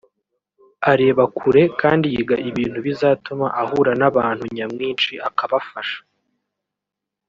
areba kure kandi yiga ibintu bizatuma ahura n’abantu nyamwinshi akabafasha